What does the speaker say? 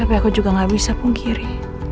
tapi aku juga gak bisa pungkiri